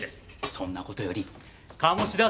そんな事より鴨志田さん